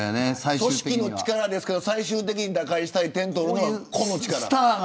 組織の力ですけど最終的に打開したりするのは個の力ですかね。